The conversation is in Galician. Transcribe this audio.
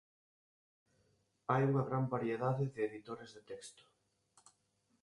Hai unha gran variedade de editores de texto.